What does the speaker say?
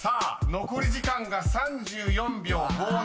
［残り時間が３４秒５７］